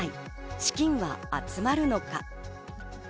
資金は集まるのか？